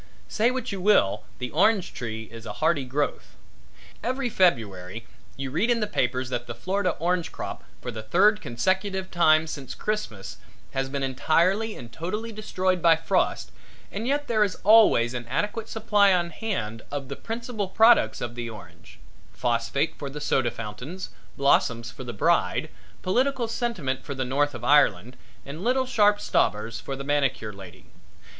Say what you will, the orange tree is a hardy growth. Every February you read in the papers that the Florida orange crop, for the third consecutive time since Christmas has been entirely and totally destroyed by frost and yet there is always an adequate supply on hand of the principal products of the orange phosphate for the soda fountains, blossoms for the bride, political sentiment for the North of Ireland and little sharp stobbers for the manicure lady.